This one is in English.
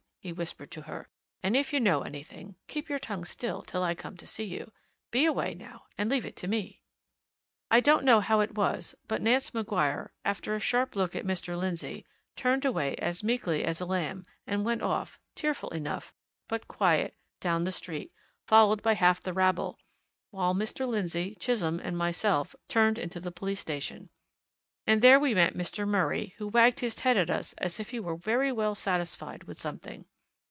he whispered to her. "And if you know anything, keep your tongue still till I come to see you. Be away, now, and leave it to me." I don't know how it was, but Nance Maguire, after a sharp look at Mr. Lindsey, turned away as meekly as a lamb, and went off, tearful enough, but quiet, down the street, followed by half the rabble, while Mr. Lindsey, Chisholm, and myself turned into the police station. And there we met Mr. Murray, who wagged his head at us as if he were very well satisfied with something.